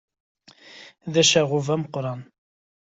D ccaɣub ameqqran.